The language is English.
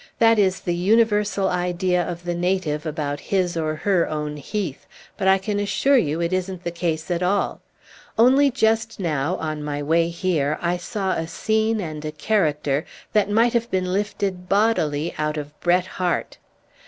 That is the universal idea of the native about his or her own heath, but I can assure you it isn't the case at all. Only just now, on my way here, I saw a scene and a character that might have been lifted bodily out of Bret Harte."